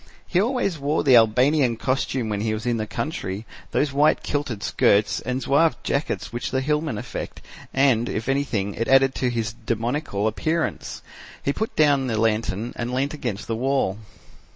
He always wore the Albanian costume when he was in the country, those white kilted skirts and zouave jackets which the hillsmen affect and, if anything, it added to his demoniacal appearance. He put down the lantern and leant against the wall.